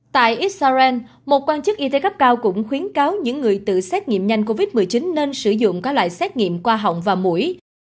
tại israel một quan chức y tế cấp cao cũng khuyến cáo những người tự xét nghiệm nhanh covid một mươi chín nên sử dụng các loại xét nghiệm qua họng và mũi